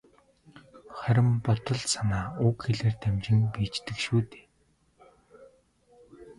Харин бодол санаа үг хэлээр дамжин биеждэг шүү дээ.